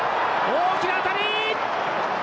大きな当たり！